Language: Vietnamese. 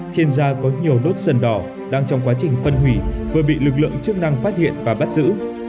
trên da có nhiều đốt sần đỏ đang trong quá trình phân hủy vừa bị lực lượng chức năng phát hiện và bắt giữ